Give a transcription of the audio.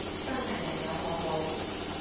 真係人有我冇